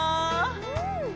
うん！